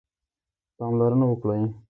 پاملرنه وکړئ